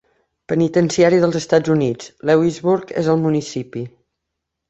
Penitenciari dels Estats Units, Lewisburg és al municipi.